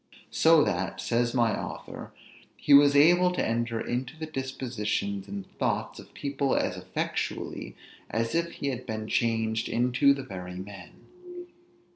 So that, says my author, he was able to enter into the dispositions and thoughts of people as effectually as if he had been changed into the very men.